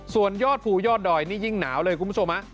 ส่วนยอดภูยอดดอยนี่ยิ่งหนาวเลยชมมา